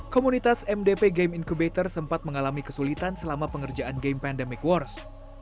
komunitas mdp game incubator sempat mengalami kesulitan selama pengerjaan game pandemic wars